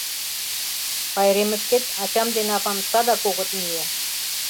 — Пайремышкет ачам ден авам садак огыт мие.